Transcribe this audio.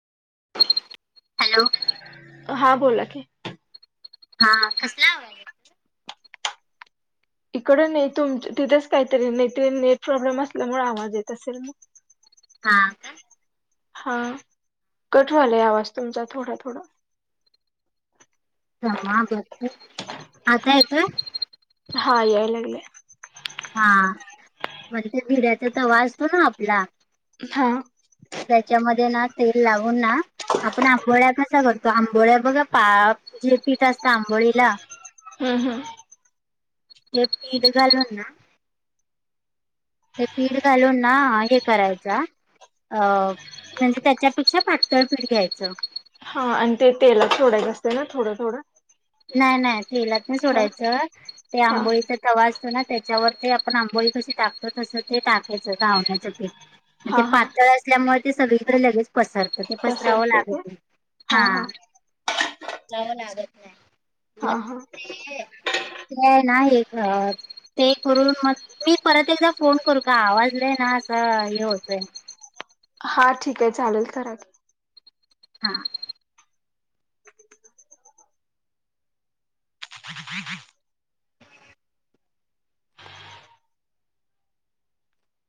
Hello हां बोला की हा कसला आवा इकडं नाही तुम तिथेच काहीतरी नाही नेट असल्यामुळे आवाज येत असेल मग. हा का हा कट व्हायलाआवाज तुमचा थोडा थोडा थांबा हा दोन म आता येतोय? हा यायला लागलाय. हा म्हंजे ते भिड्याचा तवा असतो ना आपला हां त्यांच्यामध्ये ना तेल लावून ना, आपण आंबोळ्या कसा करतो, आंबोळ्या बघा पा जे पीठ असतं आंबोळीला हम् हम ते पीठ घालून ना ते पीठ घालून ना हे करायचं, अ म्हणजे त्यांच्यापेक्षा पातळ पीठ घ्यायचं. हा आणि ते तेलात सोडायच असते ना थोडं थोडं. नाही नाही तेेलात नाही हा सोडायचं ते हा आंबोळी तवा असतो ना त्यांच्यावरची आपण आंबोळी कशी टाकतो तसं ते टाकायचं घावण्याचं पीठ ते हा हा पातळ असल्यामुळे ते सगळीकडे लगेच पसरतात. ते तसं पसरावं असतंय लागत ते नाही, हा पसरावं लागत नाही. म हा हा ते हे आहे ना हे एक ते करून मग मी परत एकदा फोन करू का? आवाज लय ना असं हे होतंय, हा ठीक आहे चालेल करा कि. हा